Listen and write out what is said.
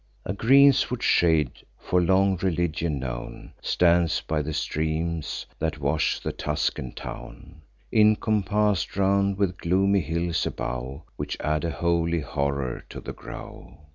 A greenwood shade, for long religion known, Stands by the streams that wash the Tuscan town, Incompass'd round with gloomy hills above, Which add a holy horror to the grove.